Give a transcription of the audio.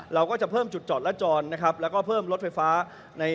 เราก็จะเพิ่มจุดจอดและจรนะครับแล้วก็เพิ่มรถไฟฟ้าใน